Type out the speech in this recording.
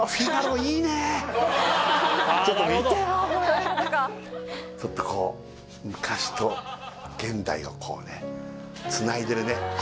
これちょっとこう昔と現代をこうねつないでるね